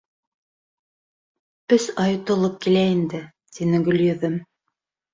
— Өс ай тулып килә инде, — тине Гөлйөҙөм.